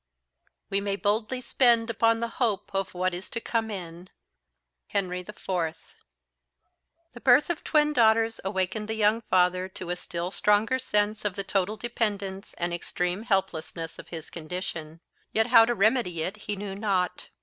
"We may boldly spend upon the hope of what Is to come in." Henry IV. THE birth of twin daughters awakened the young father to a still stronger sense of the total dependence and extreme helplessness of his condition. Yet how to remedy it he knew not.